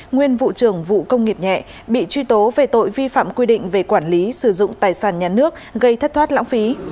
nguyên vụ trưởng vụ công nghiệp nhẹ bị truy tố về tội vi phạm quy định về quản lý sử dụng tài sản nhà nước gây thất thoát lãng phí